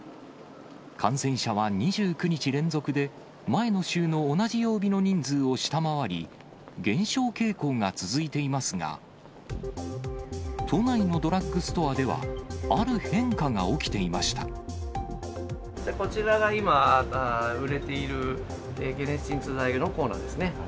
感染者は２９日連続で、前の週の同じ曜日の人数を下回り、減少傾向が続いていますが、都内のドラッグストアでは、こちらが今、売れている解熱鎮痛剤のコーナーですね。